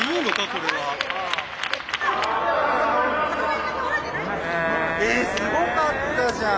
これは。えすごかったじゃん！